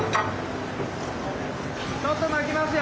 ・ちょっと巻きますよ！